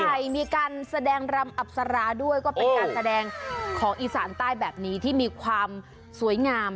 ใช่มีการแสดงรำอับสราด้วยก็เป็นการแสดงของอีสานใต้แบบนี้ที่มีความสวยงาม